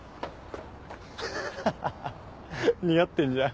ハハハ似合ってんじゃん。